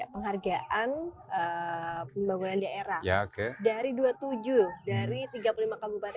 penghargaan pembangunan daerah dari dua puluh tujuh dari tiga puluh lima kabupaten di jawa tengah seperti apa prestasi prestasi